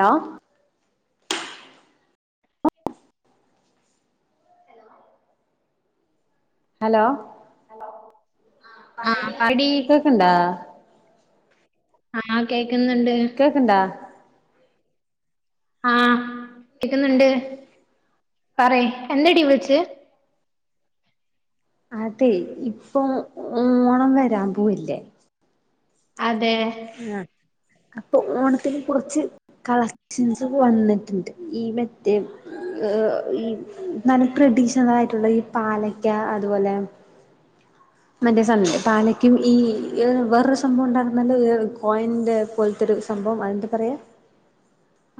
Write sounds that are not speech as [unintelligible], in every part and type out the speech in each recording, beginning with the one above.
Law hello ആഹ് പറയെടി കേക്ക്ണ്ടാ? ആഹ് കേക്ക്ന്ന്ണ്ട്. കേക്ക്ണ്ടാ? ആഹ് കേക്ക്ന്ന്ണ്ട് പറയ് എന്തെടി വിൾച്ചെ? അതെ ഇപ്പൊ ഓണം വരാൻ പോവല്ലേ. അതെ ആഹ് അപ്പൊ ഓണത്തിന് കുറച്ച് കളക്ഷൻസ് ഒക്ക വന്നിട്ട്ണ്ട്. ഈ മറ്റേ ഏഹ് ഈ നല്ല ട്രഡീഷണൽ ആയിട്ടുള്ള ഈ പാലക്ക അതുപോലെ മറ്റേ സാനല്ലേ പാലയ്ക്കിം ഈ ഏഹ് വെറൊരു സാ സംഭവം ഉണ്ടായിര്ന്നല്ലോ ഏഹ് കോയിൻ്റെ പോലത്തെരു സംഭവം അതെന്താ പറയ്?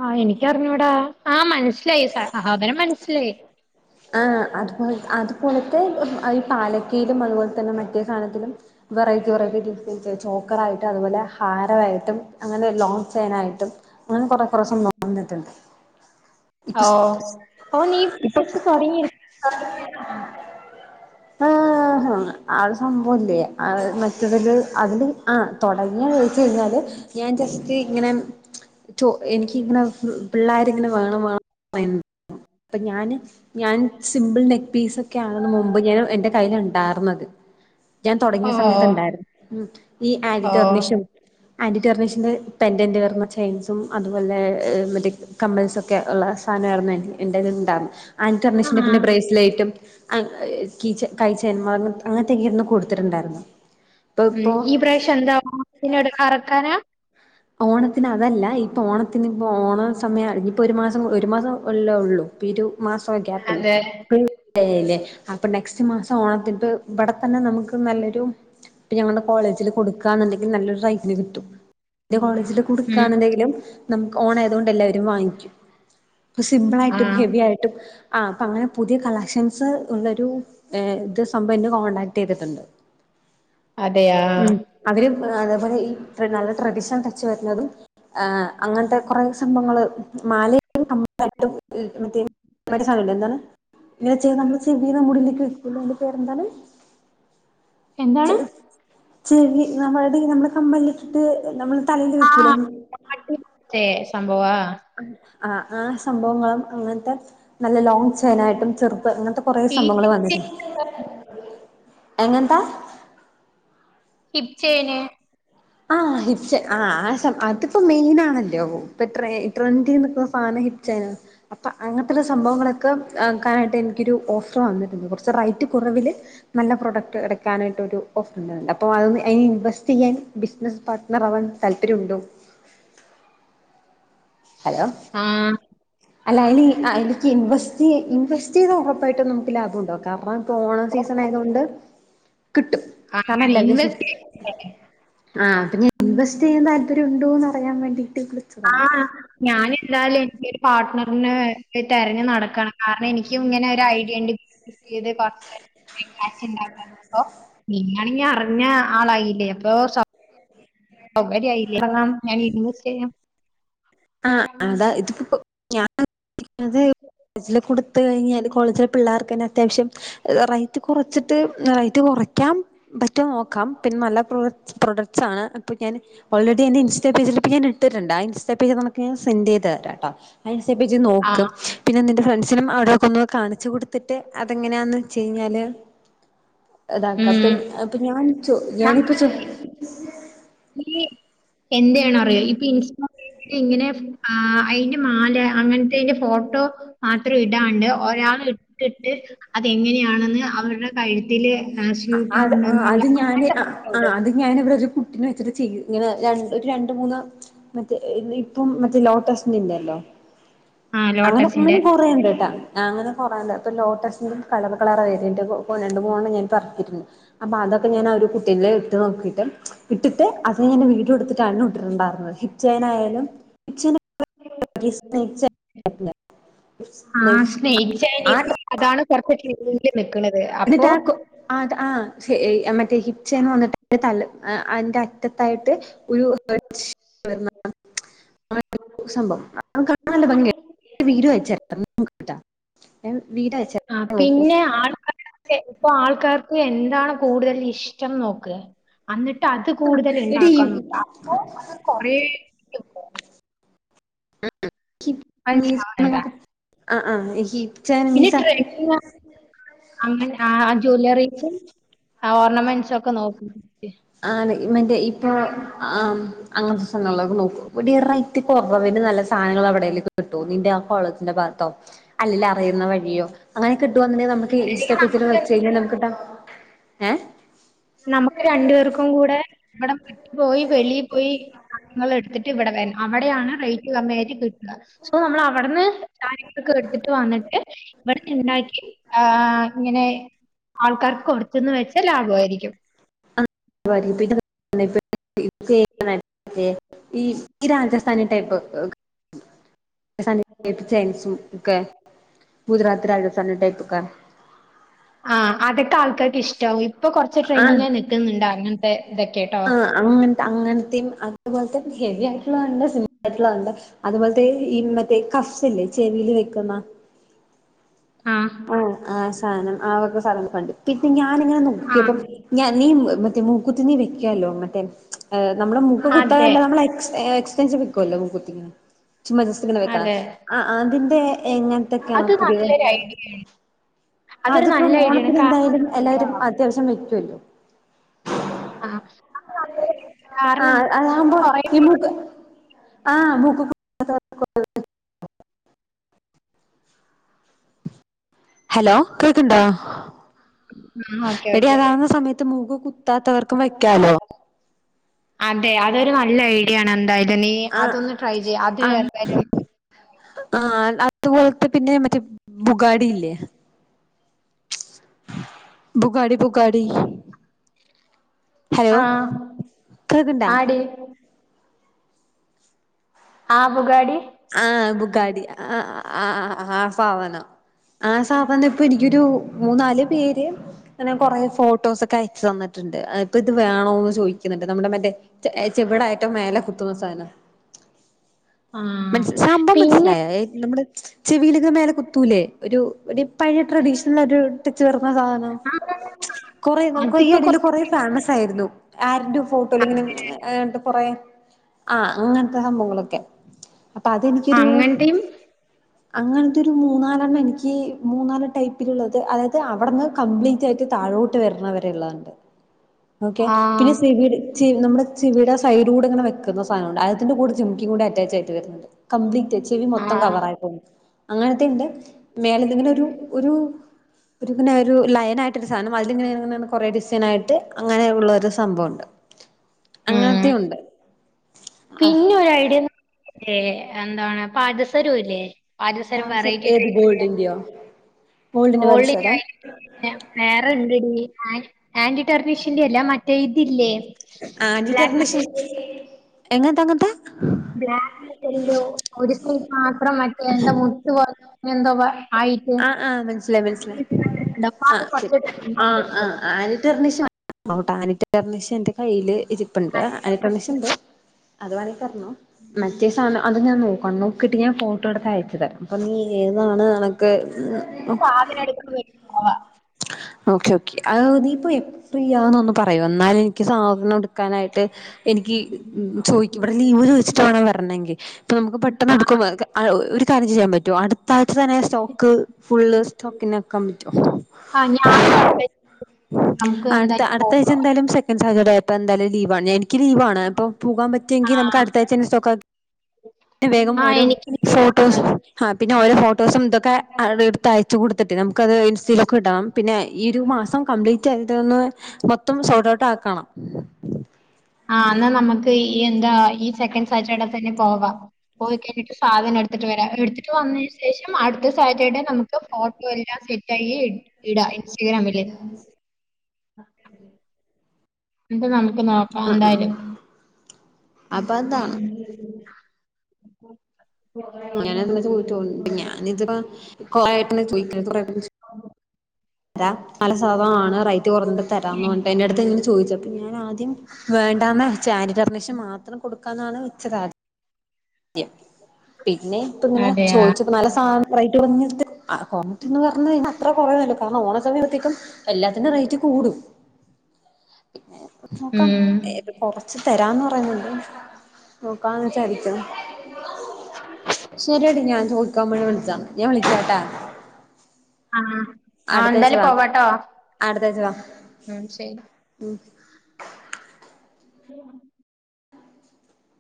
ആഹ് എനിക്കറിഞ്ഞൂടാ ആഹ് മനസ്സിലായി സാധനം മനസ്സിലായി. ആഹ് അത് പോലത്ത അതുപോലത്തെ അയ് ഈ പാലക്കയിലും അതുപോലെ തന്നെ മറ്റേ സാനത്തിലും വെറൈറ്റി വെറൈറ്റി [unintelligible] ചോക്കറ ആയിട്ട് അതുപോലെ ഹാരമായിട്ടും അങ്ങനെ ലോങ്ങ്‌ ചെയ്നായിട്ടും അങ്ങനെ കൊറേ കൊറേ സംഭവം വന്നിട്ട്ണ്ട്. ഇപ്പ സ് ഓഹ് ഓഹ് നീ ജസ്റ്റ്‌ തൊടങ്ങിരി തൊടങ്ങി ആഹ് ആഹ് അഹ് സംഭവല്ലേ അഹ് മറ്റത് ല് അതില് ആ തൊടങ്ങിയ വെച്ച് കഴിഞ്ഞാല് ഞാൻ ജസ്റ്റ് ഇങ്ങനെ ചോ എനിക്ക് ഇങ്ങനെ പിള്ളാര്ങ്ങനെ വേണം വേണം പറയും അപ്പ ഞാന് ഞാൻ സിമ്പിൾ നെക്ക് പീസ് ഒക്കെ ആണ് മുമ്പ് ഞാൻ എന്റെ കൈയ്ൽ ഇണ്ടായിര്ന്നത്. ഞാൻ തൊടങ്ങിയ സമയത്ത് ഓഹ് ഇണ്ടായിര്ന്നു ഈ ആന്റി ഓഹ് ടർണിഷും ആന്റി ടെർണീഷിന്റെ പെൻറ്ന്റെ വെർന്ന ചെയിൻസും അതുപോലെ ഏഹ് മറ്റേ കമ്മല്സൊക്കെ ഉള്ള സാനായിരുന്നു എ എന്റെല്ണ്ടാറ്ന്നേ ആൻകർണഷിന്റെ പിന്നെ ആഹ് ബ്രസലേറ്റും [unintelligible] കീച്ചേ കൈചൈന് മാര് അങ്ങനത്തൊക്കെയിരുന്നു കൂടുതല് ഉണ്ടായിര്ന്നേ അപ്പൊ ഇപ്പോ [unintelligible] പിന്നാട് അറക്കാനാ ഓണത്തിന് അതല്ല ഇപ്പൊ ഓണത്തിന്പ്പോ ഓണ സമയ [unintelligible] ഇപ്പൊരു മാസം ഒരു മാസം അല്ലേ ഒള്ളൂ ഇരു മാസം ഗ്യാപ്പ്ല്ലേ അതെ [unintelligible] [unintelligible] അപ്പൊ നെക്സ്റ്റ് മാസം ഓണത്തിപ്പ ഇവടെ തന്നെ നമുക്ക് നല്ലൊരു ഇപ്പം ഞങ്ങളുടെ കോളേജില് കൊടുക്കാന്ന്ണ്ടെങ്കി നല്ലൊരു റൈറ്റിന് കിട്ടും ഇന്റെ കോളേജില് ഉം കൊട്ക്കാന്ന്ണ്ടെങ്കിലും നമ്ക്ക് ഓണായതോണ്ട് എല്ലാവരും വാങ്ങിക്കും ഇപ്പ സിമ്പിളായിട്ടും ആഹ് ഹെവി ആയിട്ടും ആഹ് അപ്പങ്ങനെ പുതിയ കളക്ഷൻസ് ഉള്ളോരു ഏഹ് ഇത് സംഭവം എന്നെ കോൺടാക്ട്യ്തിട്ട്ണ്ട് [inaudible] അതെ ആഹ് അവര് അതെപോലെ ഈ ഇത്രേ നല്ല ട്രഡീഷൻ ടച്ച് വര്ന്നതും ഏഹ് അങ്ങനത്തെ കൊറേ സംഭവങ്ങള് മലയാലും കമ്മ ലായിട്ടും ഏഹ് മറ്റേ മറ്റേ സാനല്ലേ എന്താണ് ഇങ്ങനെ ചെ നമ്മള് ചെവീലും മുടീലൊക്കെ വെക്കൂലെ അയിന്റെ പേരെന്താണ് എന്താണ് ചെ ചെവി നമ്മളെടീ നമ്മടെ കമ്മലില് ഇട്ട്ട്ട് നമ്മള് തലേല് വെക്കൂലെ മാട്ടിലെ സംഭവാ ആഹ് ആഹ് സംഭവങ്ങളും അങ്ങനത്തെ നല്ല ലോങ് ചെയിനായിട്ടും ചെറ്ത് അങ്ങനത്തെ കൊറെ ഈ സംഭങ്ങള് വന്ന്ണ് എങ്ങനത്താ ഹിപ്ച്ചെയിന് ആഹ് ഹിപ്ച്ചെ ആഹ് ആ സം അതിപ്പോ മെയിൻ ആണല്ലോ ഇപ്പൊ ട്ര ട്രെൻഡി നിക്ക്ന്ന സാനം ഹിപ്ച്ചെയ്നാ അപ്പൊ അങ്ങനത്തൊര് സംഭവങ്ങളൊക്കെ ആക്കാനായിട്ട് എനിക്കൊരു ഓഫറ് വന്നിട്ടുണ്ട് കൊറ ച്ച് റൈറ്റ് കുറവില് നല്ല പ്രോഡക്ട് എട്ക്കാനായിട്ടൊരു ഓഫറ്ണ്ടായിര് അപ്പോ അതോന്ന് ഇൻവെസ്റ്റെയ്യാൻ ബിസിനസ് പാർട്ടണർവാൻ താല്പര്യുണ്ടോ? ഹലൊ ആഹ് അല്ല അ എനിക്ക് ഇൻവെസ്റ്റ് ചെയ ഇൻവെസ്റ്റ് ചെയ്ത ഉറപ്പായിട്ടും നമുക്ക് ലാഭം ഉണ്ടാകും. അപ്പ ക്കോണം സീസണായത് കൊണ്ട് ക്‌ട്ടും. [inaudible] അങ്ങനെ ഇൻവെസ്റ്റ് ആ പിന്നെ ഇൻവെസ്റ്റ് ചെയ്യൻ താല്പര്യംണ്ടോന്ന്റിയാൻ വേണ്ടീട്ട്. ആഹ ഞാനെന്തായാലും എനിക്കരു പാർട്ട്ണറിന് തിരഞ്ഞു നടക്കണ് കാരണം എനിക്ക് ഇങ്ങനെ ഒരു ഐഡിയണ്ട് ചെയ്ത് കൊർച് ആഹ് നിങ്ങണി അറിഞ്ഞ ആളായില്ലേ അപ്പൊ [unintelligible] ഞാൻ [inaudible] ചെയ്യാം ആഹ അതാ ഇതിപ്പോ ഞാൻ കൂടെ ത്ത് കഴിഞ്ഞാല് കോളേജിലെ പിള്ളേർക്ക് ന്നെ അത്യാവശ്യം റൈറ്റ് കുറച്ചിട്ട് റൈറ്റ് കുറയ്ക്കാം. പറ്റൊ നോക്കാം പിന്നെ നല്ല പ്രൊഡ ക്സ് പ്രൊഡക്ട്സ് ആണ് അപ്പൊ ഞാന് ഓൾറെഡി എന്റെ ഇൻസ്റ്റാ പേജിൽപ്പോ ഞൻ ഇട്ട്ണ്ട് ആ ഇൻസ്റ്റാ പേജ് നിനക്ക് സെന്റ് ചെയ്തെരാട്ടൊ അൻസെയ്ബി ജ് നോക്ക് ആഹ് പിന്നെ നിന്റെ ഫ്രണ്ട്സിനും അവിടെയൊക്കെ ഒന്ന് കാണിച്ച് കൊടുത്തിട്ട് അതെങ്ങനാന്ന് ച്ചെയ്ഞ്ഞാല് താക്ക അപ്പ ഉം അപ്പൊ ഞാൻ ചോ ഞാനിപ്പ ചൊതി ഈ എന്റെയാണോ അറിയോ ഇപ്പ ഇൻസ്റ്റ ഇങ്ങനെ ആ അയിന് മാല അങ്ങൻത്തെയ്ന്റെ ഫോട്ടോ മാത്രം ഇടാണ്ട് ഒരാൾ ഇട്ടിട്ട് അതെങ്ങനെയാണെന്ന് അവരുടെ കഴുത്തില് ആഹ് അ അത് സ്യൂട്ടാവുന്നെന്നുള്ള അത് ഞാന് അങ്ങനത്തെ അ ഫോട്ടോ ആ ഇട്. അത് ഞാൻ ഇവിടെ ഒരു കുട്ടീനെ വെച്ചിട്ട് ചെയ് ങ്ങനെ ഒരു രണ്ട മൂന്ന് മറ്റേ ഇപ്പം മറ്റേ ലോട്ടസ്റ്റന്റെല്ലോ. ആഹ് അങ്ങനെ ലോട്ടസിന്റെ. [unintelligible] കൊറേണ്ട്ട്ടാ അങ്ങനെ കൊറേണ്ട് പ്പൊ ലോട്ടസിന്റെ കളവ കളറായിരുന്നു എന്റെ പൊ രണ്ടുമൂണ്ണം ഞാൻ പറത്തിരുന്നു അപ്പൊ അതൊക്കെ ഞാൻ ആ ഒരു കുട്ടിന്റെ ഇട്ട് നോക്കിട്ട് ഇട്ടിട്ട് അത് ഞാൻ വീഡിയോ എടുത്തിട്ടാണ് ഇട്ടിട്ടുണ്ടായിരുന്നത് ചെനായാലും ആഹ് സ്നേക്ക് ചൈൻ ആഹ് അതാണ് [unintelligible] ല് നിക്ക്ണത് അ എന്നിട്ടാക്കു ആത ആ മറ്റേ ഹിപ്ചെയിൻ വന്നിട്ട് തല അതിന്റെ അറ്റത്തായിട്ട് [unintelligible] [inaudible] സംഭവം [inaudible] ഭംഗിയ വീഡിയോ [inaudible] വീടായ [inaudible] ആ പിന്നെ ആൾക്കാ ഇപ്പൊ ആൾക്കാർക്ക് എന്താണ് കൂടുതൽ ഇഷ്ടം നോക്ക് അന്നിട്ട് അത് ആ എടീ ഈ കൂടുതല്ണ്ടാക്കാ നോക്ക അപ്പൊ അത്‌ കൊറേ മനസ്സിലാവണണ്ട്. ആഹ് ആഹ് [inaudible] [unintelligible] അങ്ങനെ ആ ആ ജുല്ലറീസും ആ ഓർണമെന്റ്സും ഒക്കെ നോക്കി ആ മറ്റേ ഇപ്പൊ ആ അങ്ങനത്തെ സാനങ്ങളിലക്കെ നോക്കും [unintelligible] ത്തി കൊറവിനു നല്ല സാനങ്ങളവിടേലും കിട്ടൊ നിന്റെ ആ കോളേജിന്റെ ഭാത്തോ? അല്ലേല് അറിയുന്ന വഴിയോ അങ്ങനെ കിട്ടുവാന്നുണ്ടെങ്കി ഇൻസ്റ്റാ അല്ലെങ്കിൽ പേജിൽ നമുക്ക് വെച്ചഴിഞ്ഞാ നമുക്ക് ഡ ഹേ നമുക്ക് രണ്ടു പേർക്കും കൂടെ ഇവിടം വിട്ട് പോയി വെളീ പോയി കാങ്ങൾ എടുത്തിട്ട് ഇവിടെ വെരണ അവിടെയാണ് റേറ്റ് കമ്മിയായിട്ട് കിട്ട് സോ നമ്മളവിടുന്ന് കാര്യങ്ങളെക്ക എടുത്തിട്ട് വന്നിട്ട് ഇവിടെന്ന് ഇണ്ടാക്കി ആഹ് ഇങ്ങനെ ആൾക്കാർക്ക് കൊട്ത്ത്ന്ന് വെച്ചാ ലാഭവാരിക്കും. [inaudible] ഈസിയായിട്ട് നടത്തെ ഈ രാജസ്ഥാനി ടൈപ്പ് [inaudible] [unintelligible] ഒക്കെ ഗുജറാത്തി രാജസ്ഥാനി ടൈപ്പോക്കെ ആഹ് അതൊക്കെ ആൾക്കാര്ക്ക് ഇഷ്ട്ടാവും ഇപ്പൊ കൊറച്ച് ആഹ് ട്രെയിനിങ്ങായി നിക്ക്ന്ന്ണ്ട് അങ്ങനത്തെ ഇതൊക്കെട്ടോ അങ്ങനത്ത അങ്ങൻത്തിം അത്പോലെ തന്നെ ഹെവി ആയിട്ടുള്ളത്ണ്ട് സിംപിളായിട്ട്ള്ള ഉണ്ട് അതെപോല്ത്തെ ഈ മറ്റേ കഫ്സ് ല്ലേ ചെവീല് വെക്ക്ന്നാ ആ ആഹ് ആ സാനം ആവക സധനൊക്കെണ്ട് [unintelligible] ഞാനിങ്ങനെ ആ നോക്കിയപ്പം ഞാൻ നീ മറ്റേ മൂക്കുത്തി നീ വെക്കല്ലോ മറ്റേ ഏഹ് നമ്മടെ മൂക്ക് അതെ കുത്താതെലേ നമ്മള് എക്സ് ഏഹ് ഏക്സ്റ്റൻഷൻ വെക്കുവല്ലോ മൂകുത്തിങ്ങനെ ചുമ്മാ ചെസ്റ്റ്ങ്ങനെ വെക്ക്ണെ അതെ അയിന്റെ എങ്ങനത്തൊക്കെയാണ് അത് പുത്യേത് നല്ലൊരു ഐഡിയയാണ് അതൊരു അത്പ്പോ നല്ല ഐഡിയയാണ് ഓണത്തിന് എന്തായാലും കാരണം എന്താന്നറിയോ? എല്ലാവരും അത്യാവശ്യം വെക്കൊല്ലോ ആഹ് ആഹ് ആ ബു ഈ ബുഗ് ആഹ് ബുഗ് ഹലോ കേക്ക്ണ്ടോ ആ ഓക്കെ എടീ ഓക്കെ അതാവുന്ന സമയത്ത് മൂക്കൊക് ത്താത്തവർക്കും വയ്ക്കാലോ അതെ അതൊരു നല്ല ഐഡിയാണ് എന്തായാലും നീ ആഹ് അതൊന്ന് ട്രൈ ചെയ്യ് അത് ആഹ് എന്തായാലും ആഹ് അത്പോലത്തെ പിന്നെ മറ്റേ ബുഗാടില്ലേ ബുഗാടി ബുഗാടി ഹലോ ആ കേക്ക്ണ്ടാ ആടി ആ ബുഗാടി ആഹ് ബുഗാടി ആഹ് ആഹ് ആ സാധനം ആ സാധനം ഇപ്പനി രു മൂന്നാല് പേര് അങ്ങനെ കൊറെ ഫോട്ടോസോക്കെ അയച്ചു തന്നിട്ട്ണ്ട്. അ ഇപ്പ ഇത് വേണോന്ന് ചോദിക്കുന്നുണ്ട്. നമ്മടെ മറ്റേ ചെ, ചെവിടായിട്ടോ മേലെ കുത്തുന്നൊരുസാനം. ആ മനസ് സംഭവം പിന്നെ മനസ്സിലായ ഏ നമ്മുടെ ചെവിലിങ്ങനെ മേലെ കുത്തൂലേ ഒരു ഒര് പഴയ ട്രഡീഷണലൊരു ടച്ച് വർന്ന സാനം. ആ കൊറെ നോക്ക ഈ അതിപ്പോ കൊ എടേല് കൊറെ ഫേമസായിരുന്നു ആരുന്റെ ഫോട്ടോല്ലെങ്ങനെ ഏണ്ട് കൊറേ ആഹ് അങ്ങനത്തെ സംഭവങ്ങളൊ ക്കെ അപ്പൊ അതെനിക്കൊരു അങ്ങനത്തെയും അങ്ങനത്തെ ഒരു മൂന്നാലണ്ണംനിക്ക്, മൂന്നാല് ടൈപ്പില്ള്ളത് അതായത് അവടന്ന് കംപ്ലീറ്റായിറ്റ് താഴോട്ട് വരണവരെള്ളണ്ട്. ഓക്കെ. ആ പിന്നെ സെവിടെ, ചി നമ്മടെ ചെവിടെ ആസൈഡൂടെങ്ങനെ വെക്കുന്ന സാനോണ്ട്. അതിന്റെ കൂടെ ചെ ക്കിം കൂടെ അറ്റാച്ചായിട്ട് വര്ന്നത്. കപ്ലീറ്റ് ചെവി മൊത്തം കവറായിട്ട് വര് അങ്ങനത്തെണ്ട് മേലെതിങ്ങനെ ഒരു, ആ ഒരു ഒരുപിന്നെ ഒരു ലയനായിട്ടൊരുസാനം അയിലിങ്ങനെങ്ങനെ കൊറെ ഡിസൈനായിട്ട് അങ്ങനെ ഉള്ളോരു സംഭവുണ്ട് ഉം അങ്ങനത്തെഉണ്ട് ആഹ്. ഒരയിഡിയ എന്താണ് പാദസ്വരുല്ലേ പാദസരം വെറൈറ്റിട്ട് ഗോൾഡിന്റിയോ ഗോൾ [unintelligible] വേറെണ്ടടി ആ ആന്റി ടെർണീഷ്യന്റെല്ല മറ്റേ ഇതില്ലേ ബ്ലാക്ക് ആന്റിറ്റെർണിഷ് എങ്ങത്ത, അങ്ങത്ത ബ്ലാ [unintelligible] ഒരു സൈട് മാത്രം മറ്റേ എന്താ മുത്ത് പോ എന്തോ ആയിട്ട് ഉണ്ട്. ആഹ്, ആഹ് മനസ്സിലായി, മനസിലായി. അപ്പൊ ആ അത് ശരി കുറച്ച് ആ, ആഹ്. ആനിടെർണിഷ് [unintelligible] ആനിടെർണിഷ് എന്റെ കയ്യില് ഇര്പ്പ്ണ്ട്. അന്റിടെർണിഷ്ണ്ട് അത് വേണെങ്കിപറഞ്ഞോ. മറ്റേ സാനം അത് ഞാൻ നോക്കണ് നോക്കിട്ട് ഞാൻ ഫോട്ടോ എടുത്ത് അയച്ചു തരാം അപ്പൊ നീ ഏതാണ് നെ ക്ക് ഉം. സാധന എടുക്ക് [unintelligible] ഓക്കെ, ഓക്കെ അത് നീപ്പൊ ഫ്രീയാണോന്നു പറയൊ എന്നാല് എനിക്ക് സാധനം എടു ക്കാനായിട്ട് എനിക്ക് ഉം ചോയിക്ക് ഇവിടെ ലീവ് ചോയിച്ചിട്ട് വേണം വരണെങ്കി. ഇപ്പൊ നമുക്ക് പെട്ടെന്ന് എടുക്ക് പ കെ അ ഒരു കാര്യം ചെയ്യാൻ പറ്റു അടുത്താഴ്ചന്നെ സ്റ്റോക്ക് ഫുള്ള് സ്റ്റോക്കിനാക്കാം പറ്റോ. ആഹ് ഞാനും അടെ നമുക്ക് എന്തായാലും പോ ഇച്ന്തായാലും സെക്കൻ്സാറ്റർഡേ ആയിപ്പ ന്തായാലും ലീവാണ്, എനിക്ക് ലീവാണ്. അപ്പൊ പോകാൻപറ്റ് ആ ങ്കി നമുക്ക് അടുത്ത ആയിച്ചന്നെ സ്റ്റോക്കാ റ്റ് വേഗം ആ ഓരോ എനിക്ക് ലീവാണ്. ഫോട്ടോസ് ആ പിന്നെ ഓരോ ഫോട്ടോസുംതൊക്കെ അ എട്ത്ത് അയച്ചു കൊടുത്തിട്ടെ നമുക്കത് ഇൻസ്റ്റെല് പിന്നെ ഈ ഒരു മാസം കംപ്ലീറ്റേന്റെന്ന് മൊത്തം സോർട്ട് ഔട്ട് ആക്കണം. ആഹ് ന്നാ നമക്ക് ഈ എന്താ ഈ സെക്കന്റ് സാറ്റർടെ തന്നെ പോവാം. പോയി കഴിഞ്ഞിട്ട് സാധനം എടുത്തിട്ട് വര. എടുത്തിട്ട് വന്നെനു ശേഷം അടുത്ത സാറ്റർഡേ നമുക്ക് ഫോ ല്ലാം സെറ്റായി ഇ, ഇട ഇൻസ്റ്റഗ്രാമില്. ന്നട്ട് നമുക്ക് നോക്കാം ആ ആ എന്തായാലും. അപ്പൊ അതാണ് ഉം അങ്ങനെന്ത ചോദിച്ചൊ ണ്ട് ഞാനിത്പ കൊറെആയിട്ടനെ ചോയിക്ക കൊറെ തരാ മല സാധ ആണ് റൈറ്റ് കൊറഞ്ഞത് തരാന്ന് പറഞ്ഞട്ട് എന്റെടുത്ത്ങ്ങനെ ചോയിച്ചപ്പോ ഞാൻ ആ വേണ്ടാന്നാച്ചെ ആന്റിടർണിഷ് മാത്രം കൊടുക്കാന്നാണ്ച്ചത് ആദ്യം പിന്നെ ഇപ്പോങ്ങനെ അതെയാ? ചോയ്ച്ച നല്ല സാ റേറ്റൊറഞ്ഞിട്ട് ആ കൊറഞ്ഞിട്ടെന്ന് പറഞ്ഞഴിഞ്ഞാ അത്ര കൊറയല്ല കാരണം ഓണ സമയത്തേക്കും എല്ലാത്തിന്റെ റേറ്റ് കൂടും. നോക്കാം. ഉം. എ കൊറച്ച് തരാന്ന് പറയുന്നുണ്ട്. നോക്കാന്ന് വച്ചരിക്കും. ശെരിയടി ഞാൻ ചോദിക്കാൻവേണ്ടി വിളിച്ചാണ്. ഞാൻ വിളിക്കാട്ട. അഹ്, ആ അടുത്താഴ്ച എന്താലും വാ പോവാട്ടോ. അടുത്താഴ്ച വാ ഉം ശെരി. ഉം ഉ